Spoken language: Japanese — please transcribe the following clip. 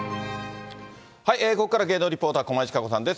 ここからは芸能リポーター、駒井千佳子さんです。